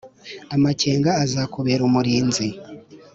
amakenga azakubera umurinzi,